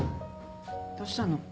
どうしたの？